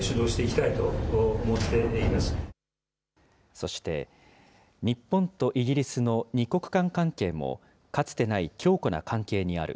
そして、日本とイギリスの２国間関係もかつてない強固な関係にある。